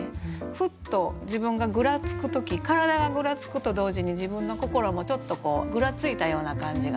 ふっと自分がぐらつく時体がぐらつくと同時に自分の心もちょっとぐらついたような感じがして。